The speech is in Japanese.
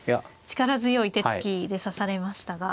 力強い手つきで指されましたが。